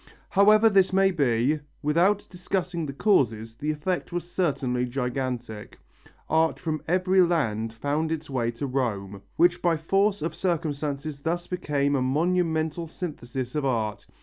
However this may be, without discussing the causes, the effect was certainly gigantic: art from every land found its way to Rome, which by force of circumstances thus became a monumental synthesis of art.